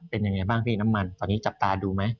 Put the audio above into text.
เป็นยังไงบ้างพี่น้ำมันตอนนี้จับตาดูไหม